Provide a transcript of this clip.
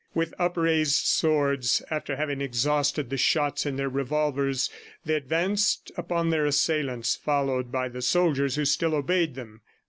With upraised swords, after having exhausted the shots in their revolvers, they advanced upon their assailants followed by the soldiers who still obeyed them.